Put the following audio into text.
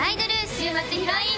週末ヒロイン！